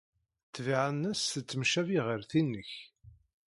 Ḍḍbiɛa-nnes tettemcabi ɣer tin-nnek.